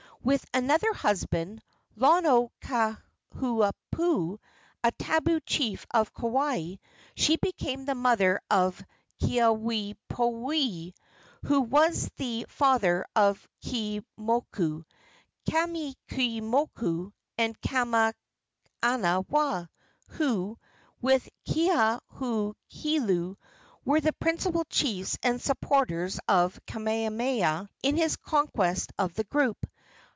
With another husband Lonoikahaupu, a tabu chief of Kauai she became the mother of Keawepoepoe, who was the father of Keeaumoku, Kameeiamoku and Kamanawa, who, with Keawe a Heulu, were the principal chiefs and supporters of Kamehameha in his conquest of the group.